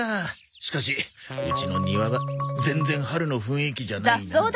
しかしうちの庭は全然春の雰囲気じゃないな。